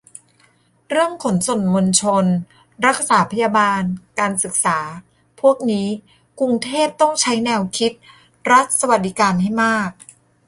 เรื่อง ขนส่งมวลชน รักษาพยาบาล การศึกษา พวกนี้ กรุงเทพต้องใช้แนวคิด รัฐสวัสดิการ ให้มาก